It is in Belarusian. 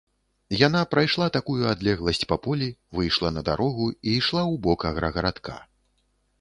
Яна прайшла такую адлегласць па полі, выйшла на дарогу і ішла ў бок аграгарадка.